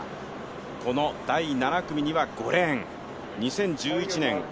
この第７組には５レーン、２０１１年